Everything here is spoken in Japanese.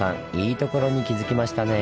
いいところに気付きましたね。